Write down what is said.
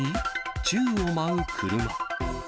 宙を舞う車。